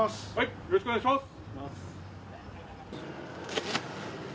よろしくお願いします。